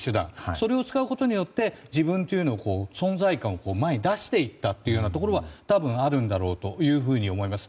それを使うことによって自分という存在感を前に出していったところはあるんだろうと思います。